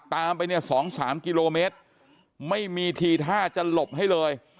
ขับตามไป๒๓กิโลเมตรไม่มีทีท่าจะหลบให้เลย